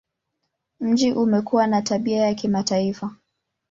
Mji umekuwa na tabia ya kimataifa.